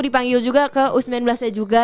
dipanggil juga ke u sembilan belas nya juga